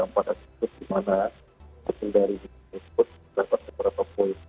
pada suku di mana dari suku tersebut dapat beberapa poin